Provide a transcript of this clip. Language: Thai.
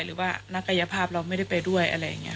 หรือว่านักกายภาพเราไม่ได้ไปด้วยอะไรอย่างนี้